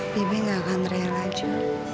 bibik gak akan rel aja